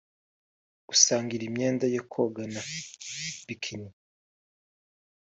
gusangira imyenda yo kogana(bikini)